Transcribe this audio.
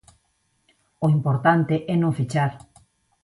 O importante é non fechar.